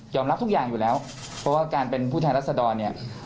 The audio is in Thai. รับทุกอย่างอยู่แล้วเพราะว่าการเป็นผู้แทนรัศดรเนี่ย